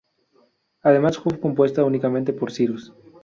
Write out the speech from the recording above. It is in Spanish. Además fue compuesta únicamente por Cyrus.